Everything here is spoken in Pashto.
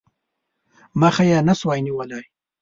مخه یې نه سوای نیولای.